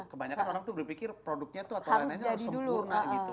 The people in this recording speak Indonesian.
kebanyakan orang tuh berpikir produknya tuh harus sempurna gitu